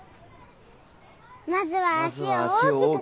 まずは足を大きく。